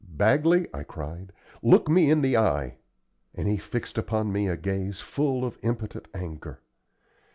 "Bagley," I cried, "look me in the eye." And he fixed upon me a gaze full of impotent anger.